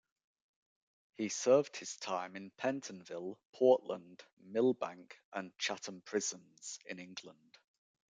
He served his time in Pentonville, Portland, Millbank and Chatham prisons in England.